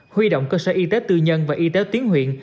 huy động cơ sở y tế tư nhân và y tế tuyến huyện